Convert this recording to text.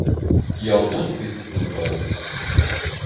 ⵢⴰⴹⵓ ⴷ ⴷⵉ ⵜⵙⵏⴱⴹⴰⵢⵜ.